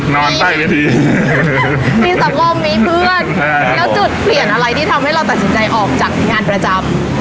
ใต้เวทีมีสังคมมีเพื่อนแล้วจุดเปลี่ยนอะไรที่ทำให้เราตัดสินใจออกจากงานประจำ